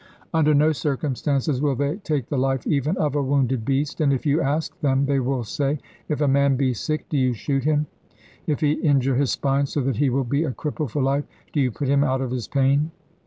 Under no circumstances will they take the life even of a wounded beast. And if you ask them, they will say: 'If a man be sick, do you shoot him? If he injure his spine so that he will be a cripple for life, do you put him out of his pain?'